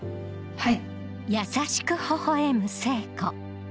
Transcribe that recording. はい。